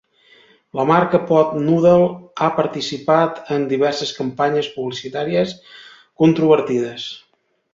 La marca Pot Noodle ha participat en diverses campanyes publicitàries controvertides.